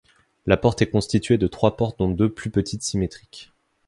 La porte est constituée de trois portes dont deux plus petites symétriques.